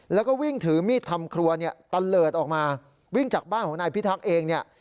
แล้วก็วิ่งถือมีดทำครัวเนี่ยตะเลิศออกมาวิ่งจากบ้านของนายพิทักษ์เองเนี่ย